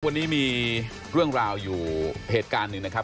วันนี้มีเรื่องราวอยู่เหตุการณ์หนึ่งนะครับ